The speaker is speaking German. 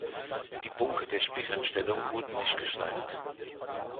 Die Bunker der Spichern-Stellung wurden nicht geschleift.